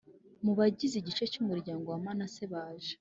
Mu bagize igice cy umuryango wa Manase baje